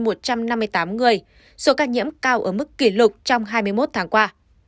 ngoài ra có một trăm năm mươi tám người số ca nhiễm cao ở mức kỷ lục trong hai mươi một tháng qua